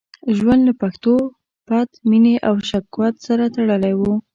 ژوند له پښتو، پت، مینې او شوکت سره تړلی وو.